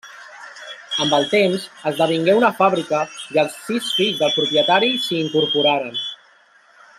Amb el temps, esdevingué una fàbrica i els sis fills del propietari s'hi incorporaren.